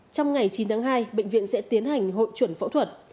trong ngày chín tháng hai bệnh viện sẽ tiến hành hội chuẩn phẫu thuật